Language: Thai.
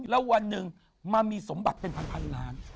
แล้ววันหนึ่งมันมีสมบัติเป็นพันล้าน